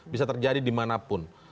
bisa terjadi dimanapun